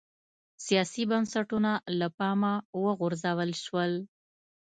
سیاسي بنسټونه له پامه وغورځول شول